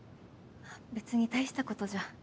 別に大したことじゃ。